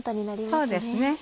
そうですね